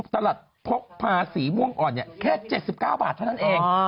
ตลาดพกพาสีม่วงอ่อนแค่๗๙บาทเท่านั้นเอง